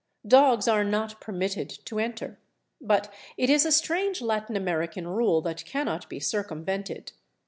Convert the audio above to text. Dogs are not permitted to enter. But it is a strange Latin American rule that cannot be circumvented.